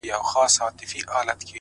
زه به همدغه سي شعرونه ليكم؛